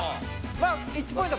まあ１ポイント